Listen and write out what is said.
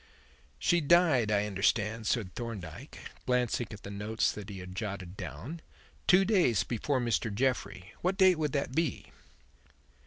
"She died, I understand," said Thorndyke, glancing at the notes that he had jotted down, "two days before Mr. Jeffrey. What date would that be?"